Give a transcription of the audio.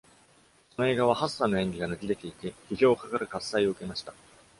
その映画は、Hassan の演技が抜き出ていて、批評家からかっさいを受けました。